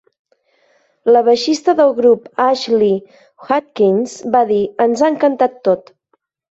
La baixista del grup, Ashley Hutchings, va dir "Ens ha encantat tot".